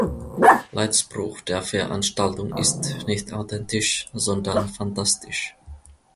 Leitspruch der Veranstaltung ist „nicht authentisch, sondern fantastisch“.